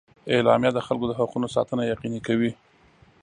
اعلامیه د خلکو د حقونو ساتنه یقیني کوي.